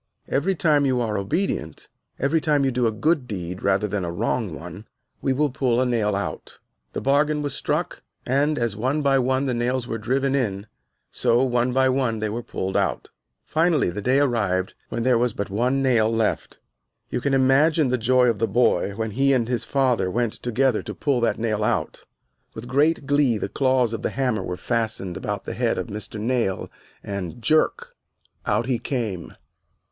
Every time you are obedient, every time you do a good deed rather than a wrong one, we will pull a nail out." The bargain was struck, and as, one by one, the nails were driven in, so, one by one, they were pulled out. Finally the day arrived when there was but one nail left. You can imagine the joy of the boy when he and his father went together to pull that nail out. With great glee the claws of the hammer were fastened about the head of Mr. Nail and, jerk, out he came.